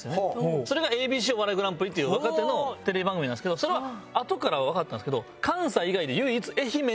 それが『ＡＢＣお笑いグランプリ』っていう若手のテレビ番組なんですけどそれはあとからわかったんですけど。